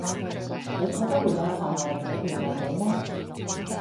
你覺得會有受害者原諒你咩？